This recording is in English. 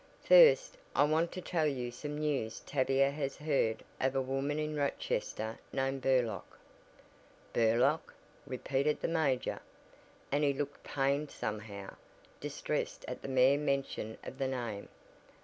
"First, I want to tell you some news Tavia has heard of a woman in Rochester named Burlock!" "Burlock!" repeated the major, and he looked pained somehow; distressed at the mere mention of the name.